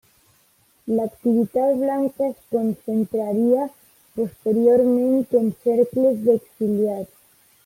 L'activitat blanca es concentraria posteriorment en cercles d'exiliats.